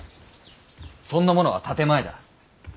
そんなものは建て前だ。